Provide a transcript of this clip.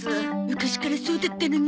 昔からそうだったのね